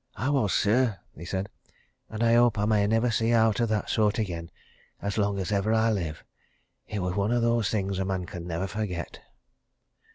"I was, sir!" he said. "And I hope I may never see aught o' that sort again, as long as ever I live. It was one o' those things a man can never forget!"